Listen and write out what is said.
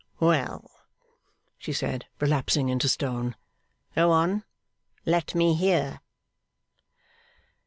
'Well!' she said, relapsing into stone. 'Go on. Let me hear.